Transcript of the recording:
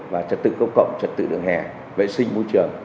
và trật tự công cộng trật tự đường hè vệ sinh môi trường